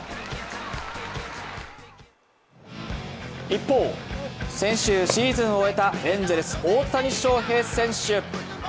一方、先週シーズンを終えたエンゼルス・大谷翔平選手。